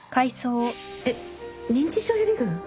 えっ認知症予備軍？